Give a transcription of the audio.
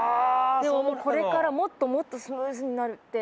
でもこれからもっともっとスムーズになるって。